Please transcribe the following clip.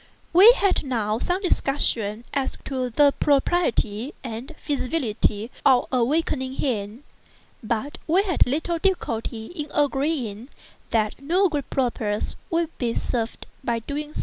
We had now some discussion as to the propriety and feasibility of awakening him; but we had little difficulty in agreeing that no good purpose would be served by so doing.